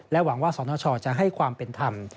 หวังว่าสนชจะให้ความเป็นธรรม